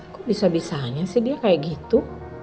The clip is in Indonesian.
kok bisa bisanya sih dia kayak gitu